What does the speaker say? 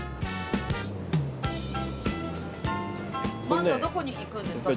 まずはどこに行くんですか？